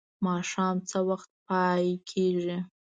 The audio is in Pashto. ماښام څه وخت پای کیږي؟